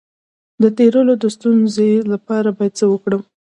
د تیرولو د ستونزې لپاره باید څه وکړم؟